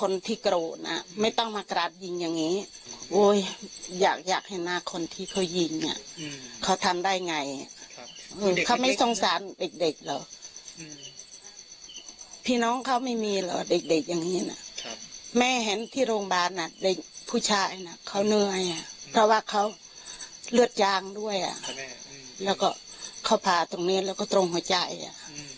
เลือดจางด้วยอ่ะแล้วก็เขาพาตรงนี้แล้วก็ตรงหัวใจอ่ะ